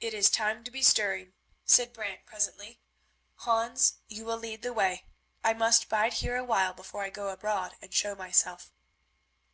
"It is time to be stirring," said Brant presently. "Hans, you will lead the way. I must bide here a while before I go abroad and show myself."